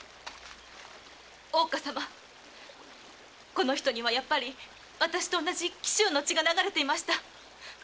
この人にはやはり私と同じ紀州の血が流れていました。